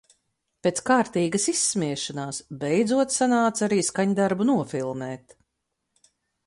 Pēc kārtīgas izsmiešanās, beidzot sanāca arī skaņdarbu nofilmēt.